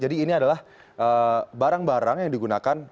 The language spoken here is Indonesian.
jadi ini adalah barang barang yang digunakan